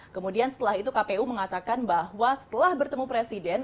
kemudian setelah itu kpu mengatakan bahwa setelah bertemu presiden